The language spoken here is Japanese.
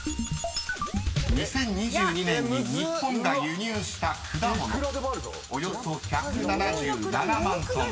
２０２２年に日本が輸入した果物およそ１７７万ｔ］